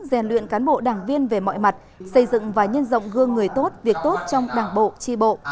rèn luyện cán bộ đảng viên về mọi mặt xây dựng và nhân rộng gương người tốt việc tốt trong đảng bộ tri bộ